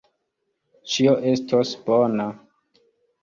Ĉio estos bona.